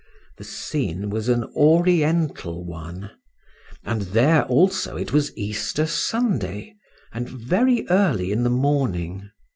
The scene was an Oriental one, and there also it was Easter Sunday, and very early in the morning.